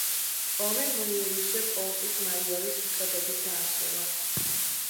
ომი მოიერიშე პოლკის მაიორის წოდებით დაასრულა.